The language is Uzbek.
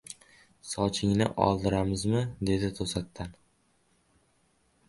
— Sochingni oldiramizmi? — dedi to‘satdan.